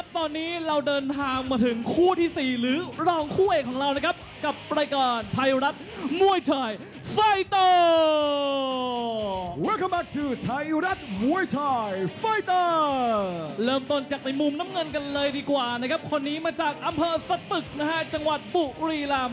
ไทยรัฐมวยชายไฟเตอร์